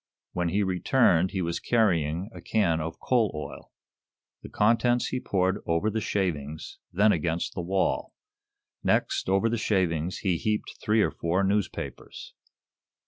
When he returned he was carrying a can of coal oil. The contents he poured over the shavings, then against the wall. Next, over the shavings, he heaped three or four newspapers.